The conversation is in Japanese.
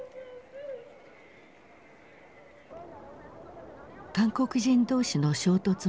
韓国人同士の衝突も起こった。